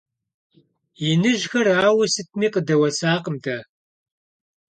Иныжьхэр ауэ сытми къыдэуэсакъым дэ.